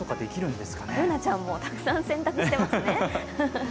Ｂｏｏｎａちゃんも、たくさん洗濯してますね。